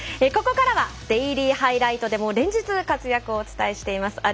ここからはデイリーハイライトでも連日活躍をお伝えしています